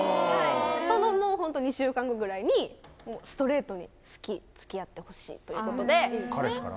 そのもうホント２週間後ぐらいにストレートに「好き！付き合ってほしい」ということで彼氏から？